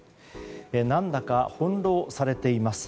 何だか翻弄されています。